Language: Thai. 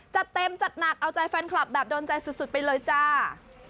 จัดเต็มจัดหนักเอาใจแฟนคลับแบบโดนใจสุดไปเลยจ้า